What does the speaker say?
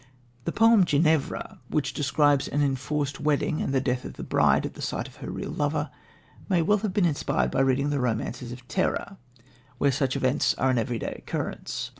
The poem Ginevra, which describes an enforced wedding and the death of the bride at the sight of her real lover, may well have been inspired by reading the romances of terror, where such events are an everyday occurrence.